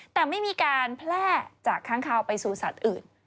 แต่ไม่มีการแพร่จากค้างคาวไปสู่สัตว์อื่น